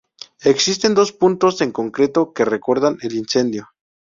Existen dos puntos en concreto que recuerdan el Incendio.